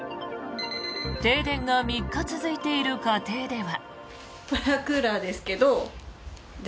停電が３日続いている家庭では。